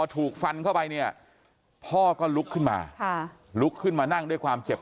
ถูกฟันเข้าไปเนี่ยพ่อก็ลุกขึ้นมาลุกขึ้นมานั่งด้วยความเจ็บ